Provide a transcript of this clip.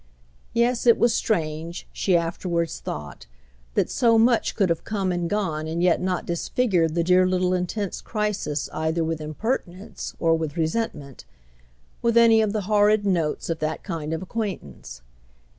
Yes, it was strange, she afterwards thought, that so much could have come and gone and yet not disfigured the dear little intense crisis either with impertinence or with resentment, with any of the horrid notes of that kind of acquaintance.